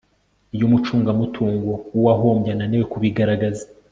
iyo umucungamutungo w uwahombye ananiwe kubigaragaza